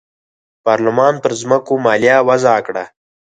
پارلمان پر ځمکو مالیه وضعه کړه.